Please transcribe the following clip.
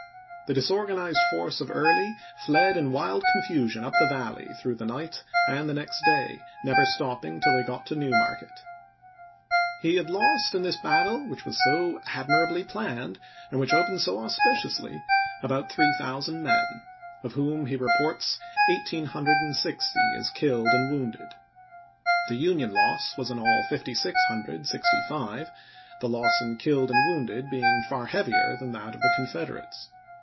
The disorganized force of Early fled in wild confusion up the Valley through the night and the next day, never stopping till they got to New Market. He had lost in this battle which was so admirably planned, and which opened so auspiciously, about 3000 men, of whom he reports 1860 as killed and wounded. The Union loss was in all 5665, the loss in killed and wounded being far heavier than that of the Confederates.